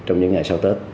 trong những ngày sau tết